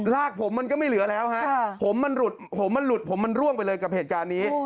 ลากผมมันก็ไม่เหลือแล้วฮะผมมันหลุดผมมันหลุดผมมันร่วงไปเลยกับเหตุการณ์นี้